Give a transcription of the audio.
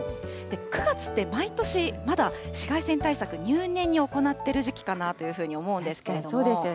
９月って、毎年、まだ紫外線対策、入念に行っている時期かなというふうに思うんですけれども。